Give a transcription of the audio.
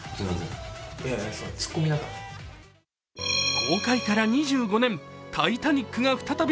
公開から２５年、「タイタニック」が再び。